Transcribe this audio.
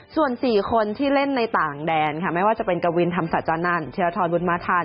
ส่วน๔คนที่เล่นในต่างแดนค่ะไม่ว่าจะเป็นกวินธรรมศาจานันธิรทรบุญมาธาน